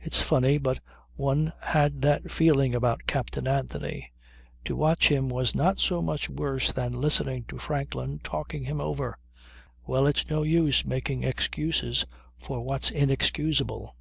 It's funny, but one had that feeling about Captain Anthony. To watch him was not so much worse than listening to Franklin talking him over. Well, it's no use making excuses for what's inexcusable.